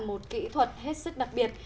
một kỹ thuật hết sức đặc biệt